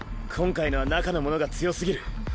今回のは中のものが強すぎる。